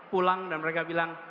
pulang dan mereka bilang